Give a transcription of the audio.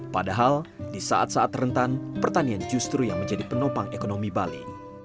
padahal di saat saat rentan pertanian justru yang menjadi penopang ekonomi bali